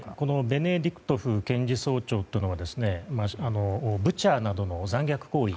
ベネディクトワ検事総長というのはブチャなどの残虐行為